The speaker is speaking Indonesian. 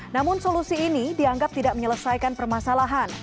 namun solusi ini dianggap tidak menyelesaikan permasalahan